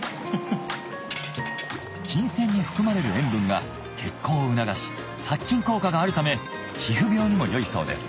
金泉に含まれる塩分が血行を促し殺菌効果があるため皮膚病にも良いそうです